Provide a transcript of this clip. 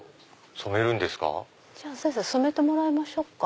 染めてもらいましょう。